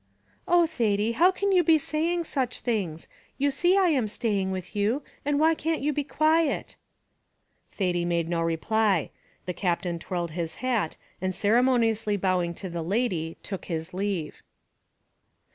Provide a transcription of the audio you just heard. "Oh, Thady, how can you be saying such things! you see I am staying for you, and why can't you be quiet?" Thady made no reply; the Captain twirled his hat, and ceremoniously bowing to the lady, took his leave.